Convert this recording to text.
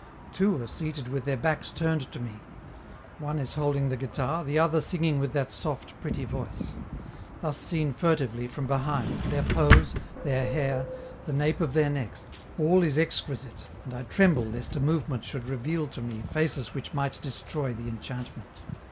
Two are seated with their backs turned to me: one is holding the guitar, the other singing with that soft, pretty voice; thus seen furtively, from behind, their pose, their hair, the nape of their necks, all is exquisite, and I tremble lest a movement should reveal to me faces which might destroy the enchantment.